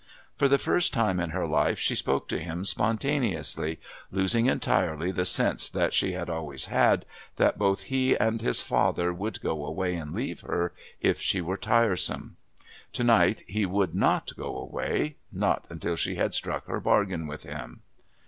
For the first time in her life she spoke to him spontaneously, losing entirely the sense that she had always had, that both he and his father would go away and leave her if she were tiresome. To night he would not go away not until she had struck her bargain with him.